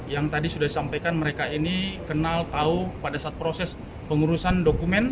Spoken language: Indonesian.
yang tadi sudah disampaikan mereka ini kenal tahu pada saat proses pengurusan dokumen